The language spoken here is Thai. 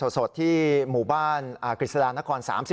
สดที่หมู่บ้านกฤษฎานคร๓๔